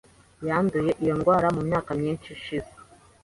Yanduye iyo ndwara mu myaka myinshi ishize .